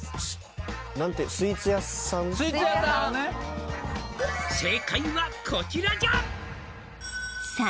スイーツ屋さん「正解はこちらじゃ」